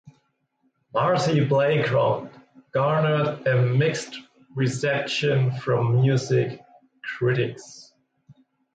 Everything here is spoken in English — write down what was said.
"Marcy Playground" garnered a mixed reception from music critics.